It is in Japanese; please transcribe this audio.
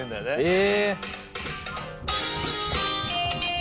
え！